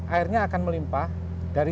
airnya akan melimpah dari